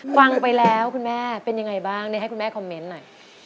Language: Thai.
ฟังไปแล้วคุณแม่เป็นยังไงบ้างให้คุณแม่คอมเมนต์หน่อย